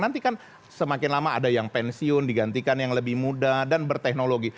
nanti kan semakin lama ada yang pensiun digantikan yang lebih muda dan berteknologi